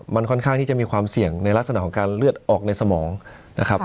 มันค่อนข้างที่จะมีความเสี่ยงในลักษณะของการเลือดออกในสมองนะครับ